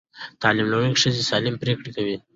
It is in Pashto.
تعلیم لرونکې ښځې سالمې پرېکړې کوي.